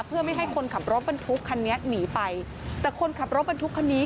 เพื่อไม่ให้คนขับรถบรรทุกคันนี้หนีไปแต่คนขับรถบรรทุกคันนี้